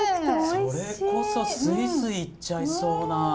それこそスイスイいっちゃいそうな。